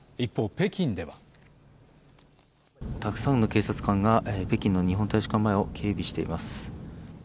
北京ではたくさんの警察官が北京の日本大使館前を警備しています